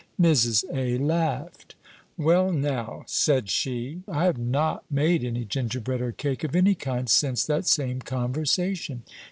Mrs. A. laughed. "Well, now," said she, "I have not made any gingerbread, or cake of any kind, since that same conversation."